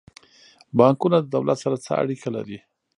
بانکونه د دولت سره څه اړیکه لري؟